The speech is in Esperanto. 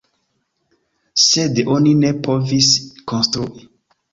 Sed oni ne povis konstrui.